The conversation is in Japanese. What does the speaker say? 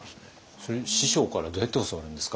それ師匠からどうやって教わるんですか？